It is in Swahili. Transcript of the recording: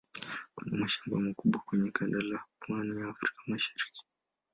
Kuna mashamba makubwa kwenye kanda la pwani ya Afrika ya Mashariki.